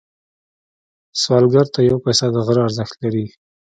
سوالګر ته یو پيسه د غره ارزښت لري